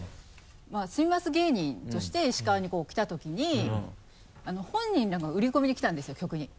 「住みます芸人」として石川に来たときに本人らが売り込みに来たんですよ局に。